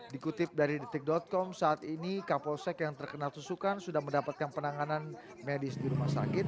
dikutip dari detik com saat ini kapolsek yang terkena tusukan sudah mendapatkan penanganan medis di rumah sakit